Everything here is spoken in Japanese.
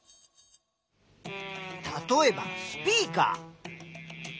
例えばスピーカー。